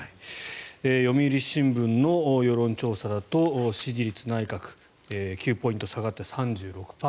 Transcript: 読売新聞の世論調査だと内閣支持率９ポイント下がって３６％。